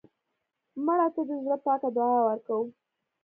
مړه ته د زړه پاکه دعا ورکوو